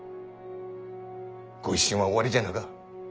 御一新は終わりじゃなか。